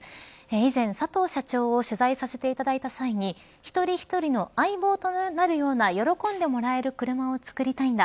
以前佐藤社長を取材させていただいた際に一人一人の相棒となるような喜んでもらえる車を作りたいんだ。